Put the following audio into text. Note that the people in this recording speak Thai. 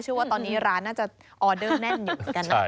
เชื่อว่าตอนนี้ร้านน่าจะออเดอร์แน่นอยู่กัน